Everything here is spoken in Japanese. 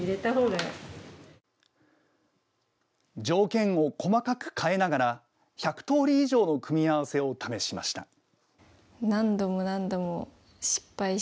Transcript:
条件を細かく変えながら１００通り以上の組み合わせを試しました。